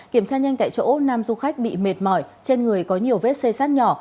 kiểm tra nhanh tại chỗ nam du khách bị mệt mỏi trên người có nhiều vết xe sát nhỏ